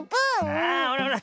あほらほら